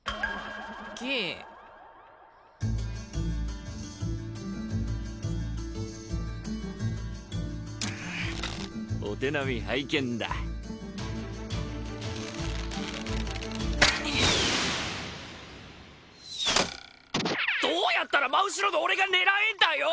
芸お手並み拝見だどうやったら真後ろの俺が狙えんだよ！